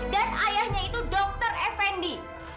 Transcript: dan ayahnya itu dokter effendi